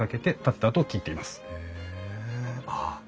ああ